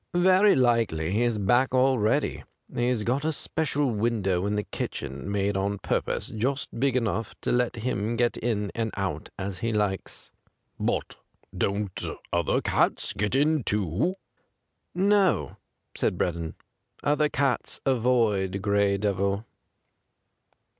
'Very likely he's back already. He's got a special window in the kitchen, made on purpose, just big enough to let him get in and out as he likes.' ' But don't other cats get in, too ?'' No,' said Breddon. ' Other cats avoid Gray Devil.'